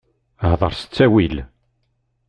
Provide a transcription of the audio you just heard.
Hḍeṛ s ttawil!